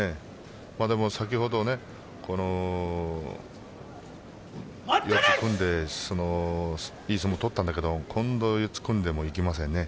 でも、先ほど四つに組んでいい相撲を取ったんだけど今度、四つ組みにいけませんね。